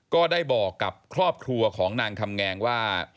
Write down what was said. ก็ได้บอกกับครอบครัวของนางคำแงงว่า